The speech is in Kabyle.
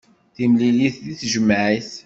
Timlilit deg tejmaɛt.